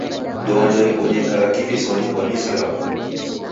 Ndoa nderibonyekagha kivisonyi kwa mizi raw'o.